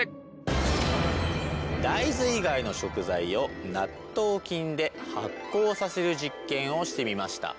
大豆以外の食材を納豆菌で発酵させる実験をしてみました。